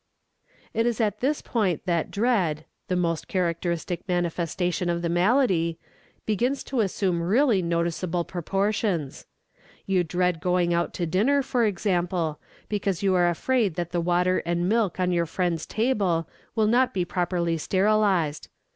It is at this point that Dread, the most characteristic manifestation of the malady, begins to assume really noticeable proportions. You dread going out to dinner, for example, because you are afraid that the water and milk on your friend's table will not be properly sterilized.